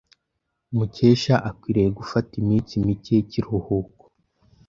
Mukesha akwiriye gufata iminsi mike y'ikiruhuko.